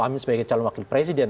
amin sebagai calon wakil presiden